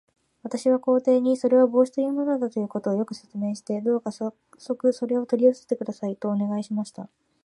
私は皇帝に、それは帽子というものだということを、よく説明して、どうかさっそくそれを取り寄せてください、とお願いしました。